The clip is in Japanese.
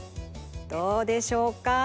どうでしょうか？